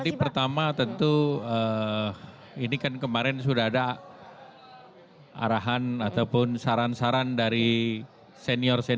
jadi pertama tentu ini kan kemarin sudah ada arahan ataupun saran saran dari senior senior